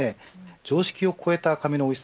常識を超えた赤身のおいしさ